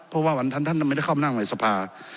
เพราะว่าวันท่านท่านไม่ได้เข้านั่งในสภา